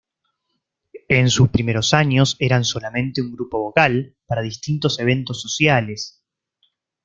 En sus primeros años, eran solamente un grupo local, para distintos eventos sociales.